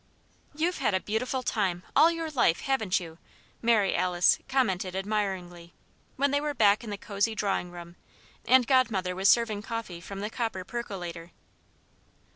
"You've had a beautiful time, all your life, haven't you?" Mary Alice commented admiringly, when they were back in the cozy drawing room and Godmother was serving coffee from the copper percolator.